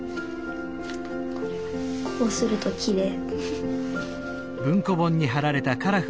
こうするときれい。